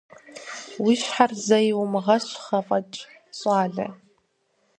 Уи щхьэр зэи умыгъэщхъ афӀэкӀ, щӀалэ!